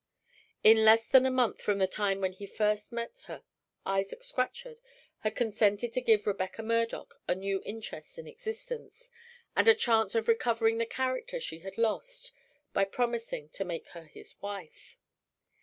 In less than a month from the time when he first met her, Isaac Scatchard had consented to give Rebecca Murdoch a new interest in existence, and a chance of recovering the character she had lost by promising to make her his wife.